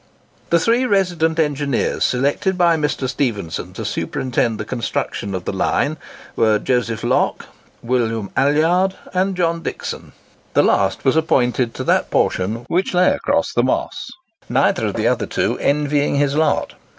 The three resident engineers selected by Mr. Stephenson to superintend the construction of the line, were Joseph Locke, William Allcard, and John Dixon. The last was appointed to that portion which lay across the Moss, neither of the other two envying his lot.